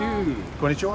こんにちは。